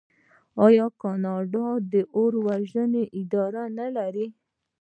آیا کاناډا د اور وژنې اداره نلري؟